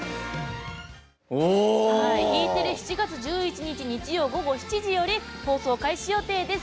Ｅテレ７月１１日、日曜午後７時より放送開始予定です。